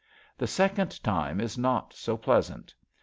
The second time is not so pleasant.